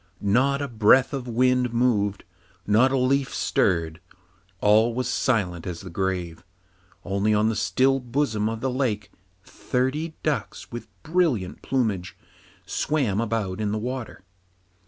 Not a breath of wind moved, not a leaf stirred, all was silent as the grave, only on the still bosom of the lake thirty ducks, with brilliant plumage, swam about in the water.